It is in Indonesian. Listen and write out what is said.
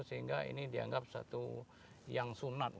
sehingga ini dianggap satu yang sunat